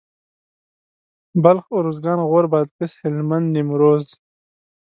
بلخ اروزګان غور بادغيس هلمند نيمروز